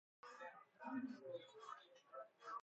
بشکهی ده گالنی